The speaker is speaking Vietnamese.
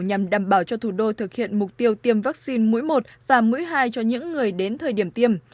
nhằm đảm bảo cho thủ đô thực hiện mục tiêu tiêm vaccine mũi một và mũi hai cho những người đến thời điểm tiêm